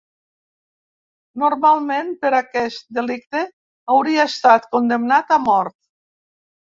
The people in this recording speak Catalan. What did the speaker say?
Normalment, per aquest delicte hauria estat condemnat a mort.